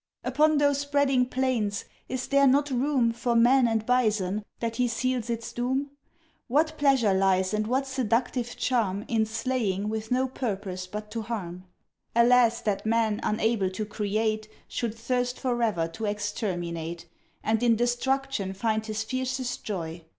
Upon those spreading plains is there not room For man and bison, that he seals its doom? What pleasure lies and what seductive charm In slaying with no purpose but to harm? Alas, that man, unable to create, Should thirst forever to exterminate, And in destruction find his fiercest joy.